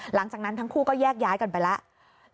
หลังจากนั้นทั้งคู่ก็แยกย้ายกันไปแล้ว